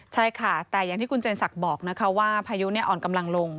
ใช่ค่ะแต่อย่างที่คุณเจนศักดิ์บอกนะคะว่าพายุอ่อนกำลังลง